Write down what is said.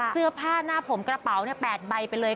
เสื้อผ้าหน้าผมกระเป๋า๘ใบไปเลย